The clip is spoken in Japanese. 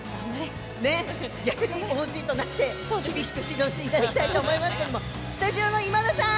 逆にＯＧとなって厳しく指導していただきたいと思いますけどスタジオの今田さん